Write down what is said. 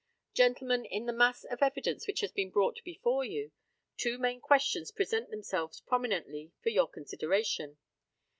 Gentlemen, in the mass of evidence which has been brought before you, two main questions present themselves prominently for your consideration.